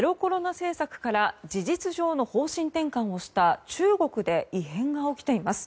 政策から事実上の方針転換をした中国で異変が起きています。